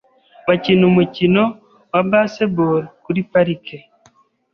Bakina umukino wa baseball kuri parike .